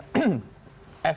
efek ekor jahat itu akan berubah